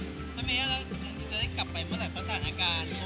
ทำไมจะได้กลับไปเมื่อไหร่เพราะสร้างอาการโควิด